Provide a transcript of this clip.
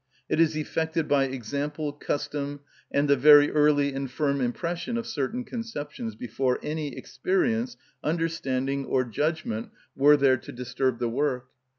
It is effected by example, custom, and the very early and firm impression of certain conceptions, before any experience, understanding, or judgment were there to disturb the work.